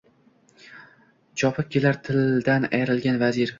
Chopib kelar tildan ayrilgan vazir —